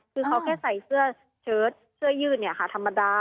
คือเขาแค่ใส่เสื้อยืดฮะธรรมดา